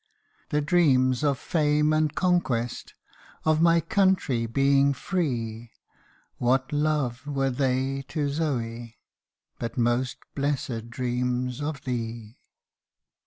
The dreams of fame and conquest, Of my country being free; What love were they to Zoe, But most blessed dreams of thee